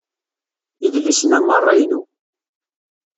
Idlisen-a merra inu.